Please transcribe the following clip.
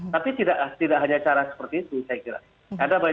tapi tidak hanya cara seperti itu saya kira